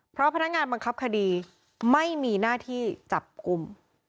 เพราะพนักงานบังคับคดีไม่มีหน้าที่จับกลุ่ม